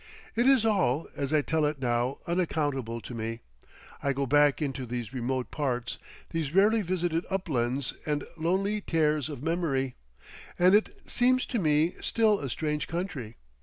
It is all, as I tell it now, unaccountable to me. I go back into these remote parts, these rarely visited uplands and lonely tares of memory, and it seems to me still a strange country.